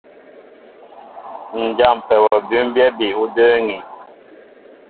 Ǹ jâmpɛ wɔ bʉ́mbyɛ́ bi ú də́ə́ŋí.